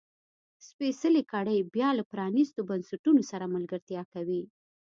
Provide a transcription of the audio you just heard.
سپېڅلې کړۍ بیا له پرانیستو بنسټونو سره ملګرتیا کوي.